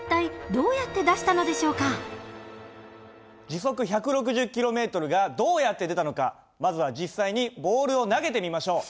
時速１６０ｋｍがどうやって出たのかまずは実際にボールを投げてみましょう。